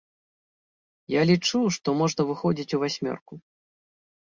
Я лічу, што можна выходзіць у васьмёрку.